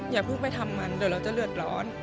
อย่าเพิ่งไปทำมันเดี๋ยวเราจะเดือดร้อน